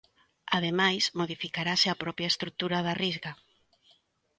Ademais, modificarase a propia estrutura da Risga.